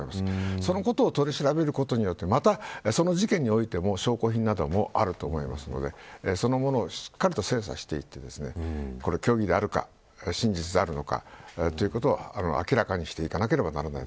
そのことを取り調べることによってまた、その事件においても証拠品などもあると思うのでそのものをしっかりと精査していってこれが虚偽であるか信じてあるのかということを明らかにしていかなければなりません。